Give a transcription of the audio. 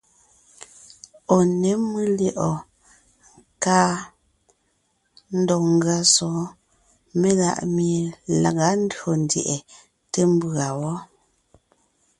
Ɔ̀ ně mʉ́ lyɛ̌ʼɔɔn káa ndɔg ngʉa sɔ̌ɔn melaʼmie laga ndÿò ndyɛʼɛ té mbʉ̀a wɔ́.